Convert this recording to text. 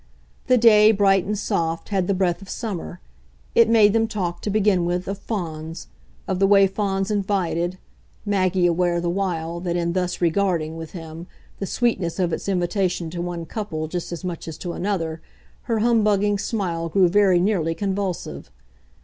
The day, bright and soft, had the breath of summer; it made them talk, to begin with, of Fawns, of the way Fawns invited Maggie aware, the while, that in thus regarding, with him, the sweetness of its invitation to one couple just as much as to another, her humbugging smile grew very nearly convulsive.